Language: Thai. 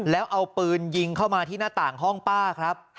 แล้วเอาปืนยิงเข้ามาที่หน้าต่างห้องป้าครับ